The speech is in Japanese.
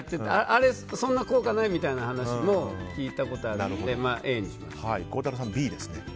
あれそんな効果ないみたいな話も聞いたことあって孝太郎さん、Ｂですね。